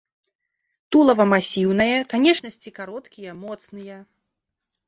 Тулава масіўнае, канечнасці кароткія, моцныя.